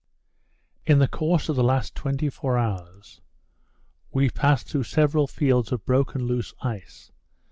In the course of the last twenty four hours we passed through several fields of broken loose ice.